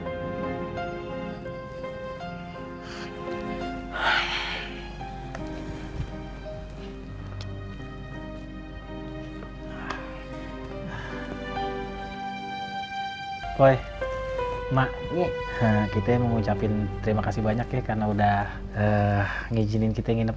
woi emaknya kita mau ngucapin terima kasih banyak ya karena udah eh ngijinin kita nginep